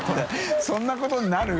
そんなことになる？